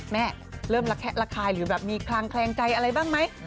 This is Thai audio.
แม่เริ่มระแคะระคายหรือแบบมีคลางแคลงใจอะไรบ้างไหม